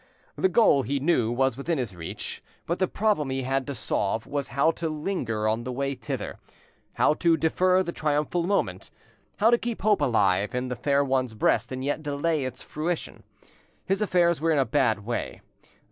The goal, he knew, was within his reach, but the problem he had to solve was how to linger on the way thither, how to defer the triumphal moment, how to keep hope alive in the fair one's breast and yet delay its fruition. His affairs were in a bad way.